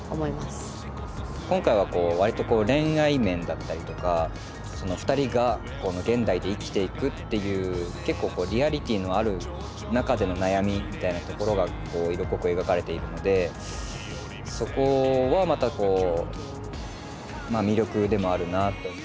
今回はこう割と恋愛面だったりとかふたりが現代で生きていくっていう結構リアリティーのある中での悩みみたいなところが色濃く描かれているのでそこはまた魅力でもあるなあと。